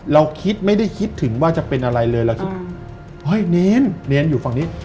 เราไม่คิดถึงว่าจะเป็นอะไรเลยเลยเริ่มครับเน้นอยู่ฝั่งนี้